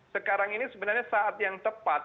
sekarang ini sebenarnya saat yang tepat